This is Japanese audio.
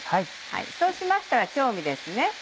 そうしましたら調味ですね。